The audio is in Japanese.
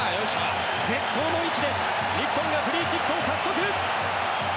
絶好の位置で日本がフリーキックを獲得！